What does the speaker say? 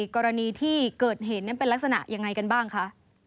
กรณีที่เกิดเหตุนั้นเป็นลักษณะยังไงกันบ้างคะ